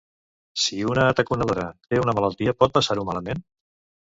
Si una ataconadora té una malaltia pot passar-ho malament?